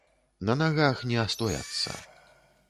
На нагах ні астояцца.